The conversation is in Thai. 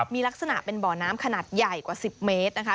มีลักษณะเป็นบ่อน้ำขนาดใหญ่กว่า๑๐เมตรนะคะ